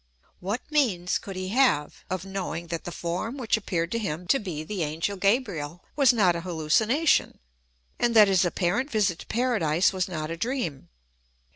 What means could he have of knowing that the form which appeared to him to be the angel Gabriel was not a hallucination, and that his apparent visit to Paradise was not a dream